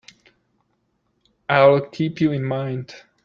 I'll keep you in mind.